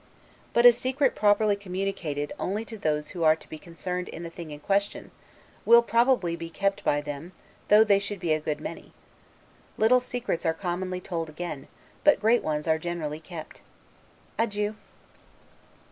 But a secret properly communicated only to those who are to be concerned in the thing in question, will probably be kept by them though they should be a good many. Little secrets are commonly told again, but great ones are generally kept. Adieu!